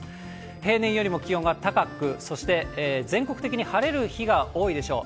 平年よりも気温が高く、そして全国的に晴れる日が多いでしょう。